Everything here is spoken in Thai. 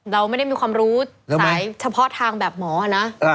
เราไม่ได้มีความรู้สายเฉพาะทางแบบหมอนะ